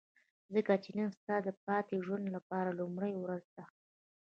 ځکه چې نن ستا د پاتې ژوند لپاره لومړۍ ورځ ده.